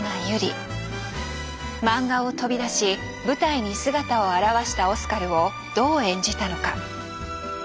マンガを飛び出し舞台に姿を現したオスカルをどう演じたのか。